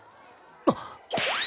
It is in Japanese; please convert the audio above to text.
あっ！